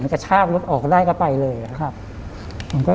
แบบชาติรถออกได้ก็ไปเลยนะครับ